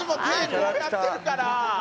こうやってるから。